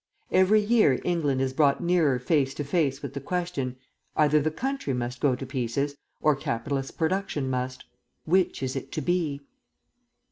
Every year England is brought nearer face to face with the question: either the country must go to pieces, or capitalist production must. Which is it to be?